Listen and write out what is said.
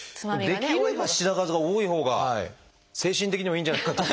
できれば品数が多いほうが精神的にもいいんじゃないかと。